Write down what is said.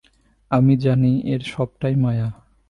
আমি জানি এর সবটাই মায়া।